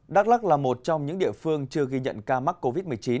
đắk lắc là một trong những địa phương chưa ghi nhận ca mắc covid một mươi chín